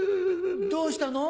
どうしたの？